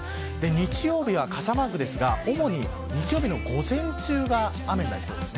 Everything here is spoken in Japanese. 日曜日は傘マークですが主に日曜日の午前中は雨になりそうです。